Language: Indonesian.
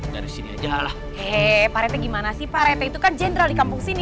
dari sini aja lah gimana sih itu kan jenderal di kampung sini